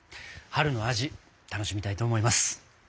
春の味楽しみたいと思います。